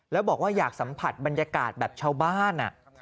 แล้วบอกว่าอยากสัมผัสบรรยากาศแบบชาวบ้าน